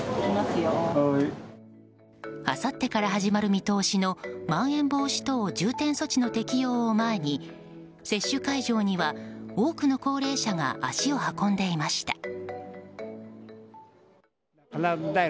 あさってから始まる見通しのまん延防止等重点措置の適用を前に接種会場には多くの高齢者が足を運んでいました。